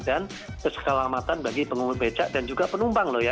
dan kesekalaman bagi pengumum becak dan juga penumpang loh ya